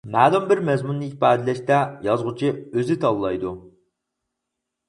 مەلۇم بىر مەزمۇننى ئىپادىلەشتە يازغۇچى ئۆزى تاللايدۇ.